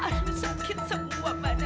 aduh sakit semua mbak nadia